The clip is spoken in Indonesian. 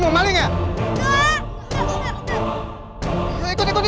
menurut buku kita muda baci baci